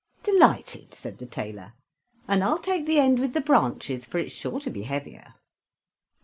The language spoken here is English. "Delighted!" said the tailor, "and I'll take the end with the branches, for it's sure to be heavier."